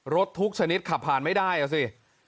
รถทุกชนิดขับผ่านไม่ได้อ่ะสิ